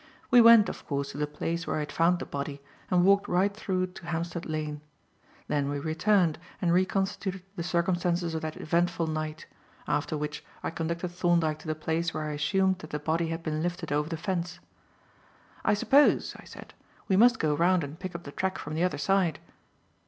We went, of course, to the place where I had found the body and walked right through to Hampstead Lane. Then we returned, and reconstituted the circumstances of that eventful night, after which, I conducted Thorndyke to the place where I assumed that the body had been lifted over the fence. "I suppose," I said, "we must go round and pick up the track from the other side."